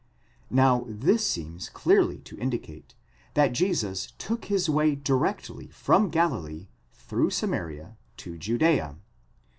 Now this seems clearly to indicate that Jesus took his way directly from Galilee, through Samaria, to Judzea.